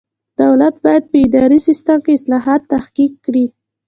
دولت باید په اداري سیسټم کې اصلاحات تحقق کړي.